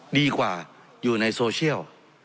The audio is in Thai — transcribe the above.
ดีกว่าอยู่ในโซเชียล